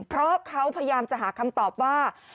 เพราะเขาพยายามจะหาคำตอบว่า